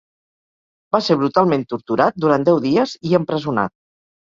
Va ser brutalment torturat durant deu dies i empresonat.